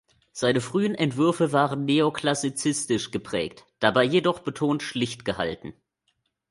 Seine frühen Entwürfe waren neoklassizistisch geprägt, dabei jedoch betont schlicht gehalten.